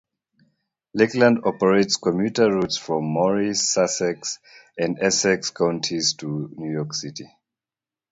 Lakeland operates commuter routes from Morris, Sussex, and Essex Counties to New York City.